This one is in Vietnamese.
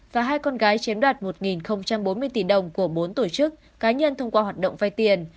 và hai con gái chiếm đoạt một bốn mươi tỷ đồng của bốn tổ chức cá nhân thông qua hoạt động vay tiền